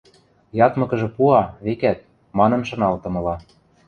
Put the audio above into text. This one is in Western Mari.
Ядмыкыжы пуа, векӓт»… – манын шаналтымыла.